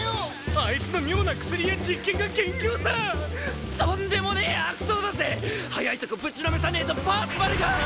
あいつの妙な薬や実験が元凶さとんでもねえ悪党だぜ早いとこぶちのめさねえとパーシバルが！